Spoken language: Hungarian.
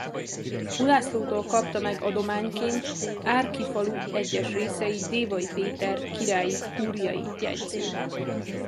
Ulászlótól kapta meg adományként Árki falu egyes részeit Dévai Péter királyi kúriai jegyző.